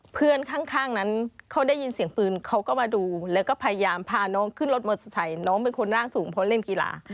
เพื่อนข้างนั้นเขาได้ยินเสียงปืนเขาก็มาดูแล้วก็พยายามพาน้องขึ้นรถมอเตอร์ไซค์น้องเป็นคนร่างสูงเพราะเล่นกีฬา